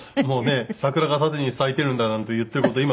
もうね「桜が縦に咲いてるんだ」なんて言ってる事